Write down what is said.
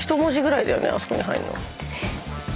あそこに入るの。